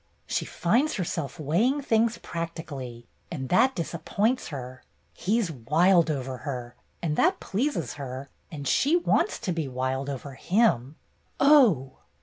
"She finds herself weighing things practically, and that disappoints her. He 's wild over her, and that pleases her, and she wants to be wild over him — oh